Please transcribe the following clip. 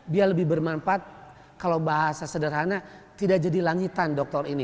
biar lebih bermanfaat kalau bahasa sederhana tidak jadi langitan dokter ini